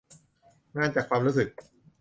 งานจากความรู้สึก